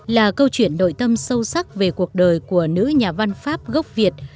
là câu chuyện đội tâm sâu sắc về cuộc đời của nữ nhà văn pháp gốc việt